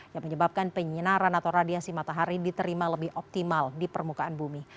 yang menyebabkan penyinaran atau radiasi matahari diterima lebih optimal di permukaan bumi